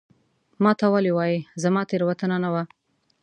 ما ته ولي وایې ؟ زما تېروتنه نه وه